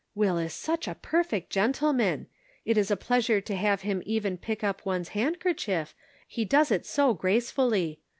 Will is such a perfect gentleman ; it is a pleas ure to have him even pick up one's handker chief, he does it so gracefully.